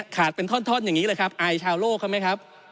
ขาดเป็นท่อนอย่างนี้อายชาวโลก